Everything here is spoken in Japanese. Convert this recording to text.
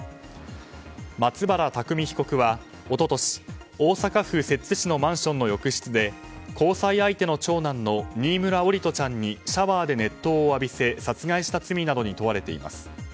松原拓海被告は一昨年大阪府摂津市のマンションの浴室で交際相手の長男の新村桜利斗ちゃんにシャワーで熱湯を浴びせ殺害した罪などに問われています。